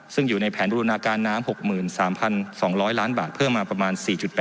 ซึ่งอยู่ในแผนบูรณาการน้ำ๖๓๒๐๐ล้านบาทเพิ่มมาประมาณ๔๘